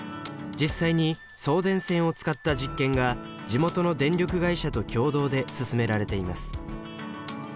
実際に送電線を使った実験が地元の電力会社と共同で進められています。